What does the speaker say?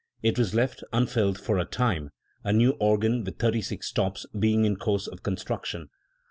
It was left unfilled for a time, a new organ, with thirty six stops, being in course of construc tion.